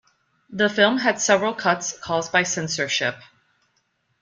The film had several cuts caused by censorship.